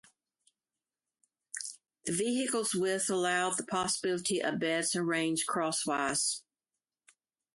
The vehicle's width allowed the possibility of beds arranged crosswise.